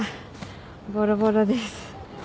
ボロボロです。